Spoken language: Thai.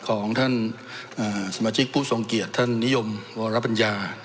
ของท่านสมาชิกผู้สงเกียจท่านนิยมรับปัญญา